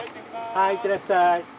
はい行ってらっしゃい。